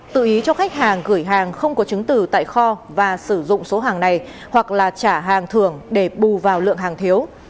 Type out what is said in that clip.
tự ý cho khách hàng gửi hàng không có chứng tử tại kho và sử dụng số hàng này hoặc là trả hàng thưởng để bù vào lượng hàng thiếu